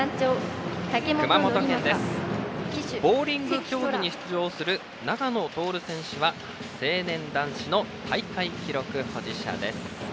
ボウリング競技に出場する永野達選手は成年男子の大会記録保持者です。